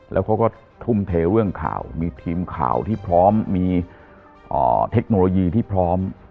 แล้วเขาก็ทุ่มเทเรื่องข่าวมีทีมข่าวที่พร้อมมีเทคโนโลยีที่พร้อม